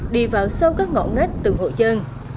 đi vào sau các ngõ ngách từng hội dân